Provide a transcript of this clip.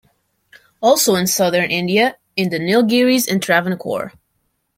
Also in southern India, in the Nilgiris and Travancore.